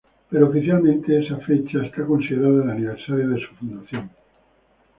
Pero oficialmente esa fecha es considerada el aniversario de su fundación.